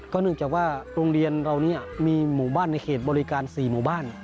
เนื่องจากว่าโรงเรียนเรานี้มีหมู่บ้านในเขตบริการ๔หมู่บ้าน